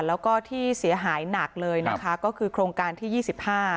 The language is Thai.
แล้วก็ที่เสียหายหนักเลยนะคะก็คือโครงการที่ยี่สิบห้า